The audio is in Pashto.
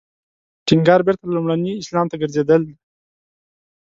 ټینګار بېرته لومړني اسلام ته ګرځېدل دی.